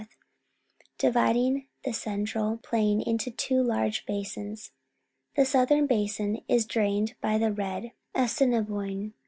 dividing the central plain into two large basins. The southern basin is drained by the Red. Assiniboine